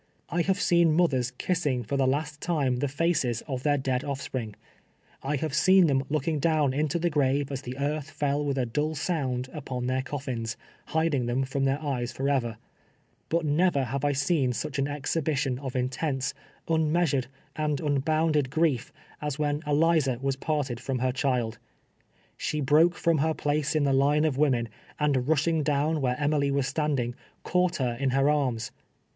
I have seen mothers kissing fjr the last time the faces of their dead ofispring ; I have seen them looking down into the grave, as the earth fell with a dull sound upon their coffins, liiding them from their eyes forever ; but never have I seen such an exhibi tion of intense, unmeasured, and unbounded grief, as when Eliza was parted from her child. She broke from her place in the line of M'omen, and rushing down where Emily was standing, caught her in her arms.